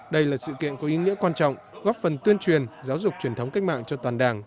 đây là sự kiện có ý nghĩa quan trọng góp phần tuyên truyền giáo dục truyền thống cách mạng cho toàn đảng